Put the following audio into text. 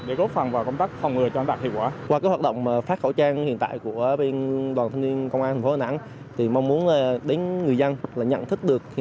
để có phòng chống dịch